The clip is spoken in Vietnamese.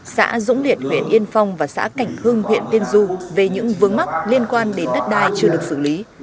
xã dũng liệt huyện yên phong và xã cảnh hương huyện tiên du về những vướng mắc liên quan đến đất đai chưa được xử lý